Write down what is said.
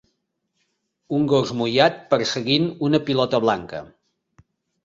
un gos mullat perseguint una pilota blanca.